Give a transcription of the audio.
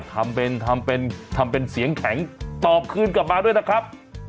ทำเป็นทำเป็นทำเป็นเสียงแข็งตอบคืนกลับมาด้วยนะครับ